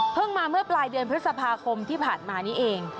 มาเมื่อปลายเดือนพฤษภาคมที่ผ่านมานี้เอง